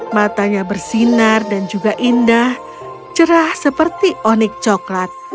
matanya bersinar dan juga indah cerah seperti onik coklat